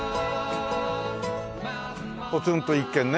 ポツンと一軒ね。